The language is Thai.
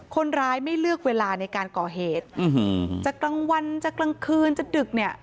คนร้ายไม่เลือกเวลาในการก่อเหตุจะกลางวันจะกลางคืนจะดึกเนี่ย